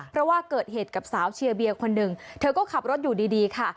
เพราะว่าเกิดเหตุกับสาวเชียร์เบียร์คนหนึ่งเธอก็ขับรถอยู่ดีค่ะ